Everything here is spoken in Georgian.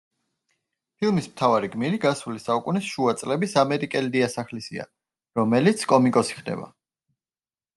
ფილმის მთავარი გმირი გასული საუკუნის შუა წლების ამერიკელი დიასახლისია, რომელიც კომიკოსი ხდება.